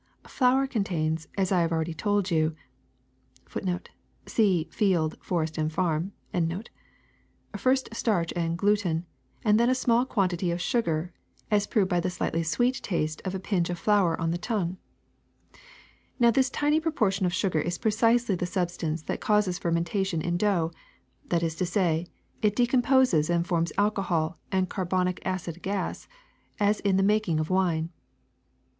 ^^ Flour contains, as I have already told you,^ first starch and gluten, and then a small quantity of sugar as proved by the slightly sweet taste of a pinch of flour on the tongue. Now this tiny proportion of sugar is precisely the substance that causes fermen tation in dough; that is to say, it decomposes and forms alcohol and carbonic acid gas, as in the mak ing of wine."